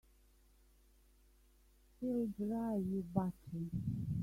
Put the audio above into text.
He'll drive you batty!